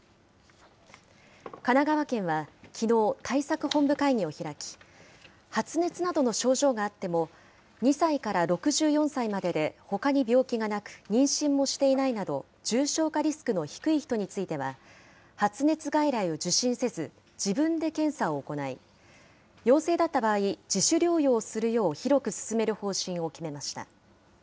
神奈川県はきのう、対策本部会議を開き、発熱などの症状があっても、２歳から６４歳まででほかに病気がなく、妊娠もしていないなど、重症化リスクの低い人については、発熱外来を受診せず、自分で検査を行い、陽性だった場合、自主療養するよう広く勧める方針を決めました。